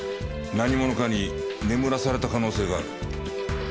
何者かに眠らされた可能性がある。